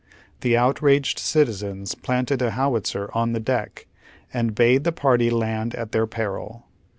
The outr^ed citizens planted a howitzer on the dock, and bade the party land at their peril.